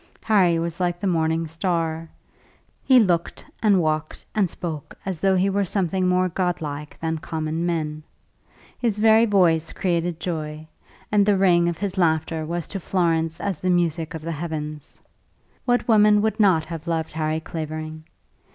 Harry was like the morning star. He looked and walked and spoke as though he were something more godlike than common men. His very voice created joy, and the ring of his laughter was to Florence as the music of the heavens. What woman would not have loved Harry Clavering?